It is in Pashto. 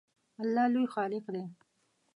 الله لوی خالق دی